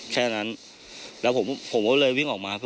แค่นั้นแล้วผมก็เลยวิ่งออกมา